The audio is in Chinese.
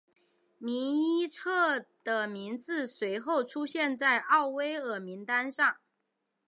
多伊彻的名字随后出现在了奥威尔名单上。